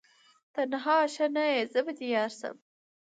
تنها ښه نه یې زه به دي یارسم